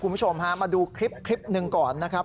คุณผู้ชมฮะมาดูคลิปหนึ่งก่อนนะครับ